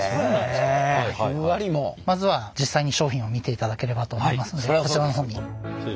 まずは実際に商品を見ていただければと思いますのでこちらの方に。